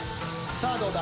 さあどうだ？